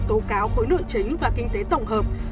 tố cáo khối nội chính và kinh tế tổng hợp